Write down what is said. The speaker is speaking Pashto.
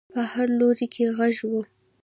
په هر لوري کې غږ و.